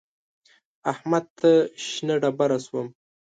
احمد ته شنه ډبره شوم.